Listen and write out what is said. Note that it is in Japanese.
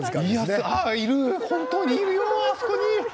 本当にいるよ、あそこに。